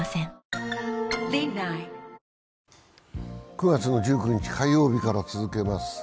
９月１９日、火曜日から続けます。